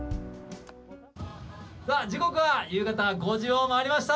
さあ、時刻は夕方５時を回りました。